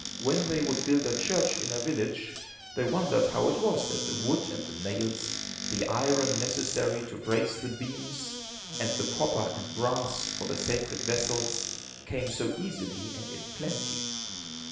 When they would build a church in a village, they wondered how it was that the wood and the nails, the iron necessary to brace the beams, and the copper and brass for the sacred vessels, came so easily and in plenty.